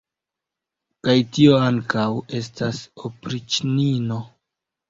Kaj tio ankaŭ estas opriĉnino!